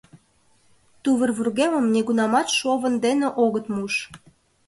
Тувыр вургемым нигунамат шовын дене огыт муш.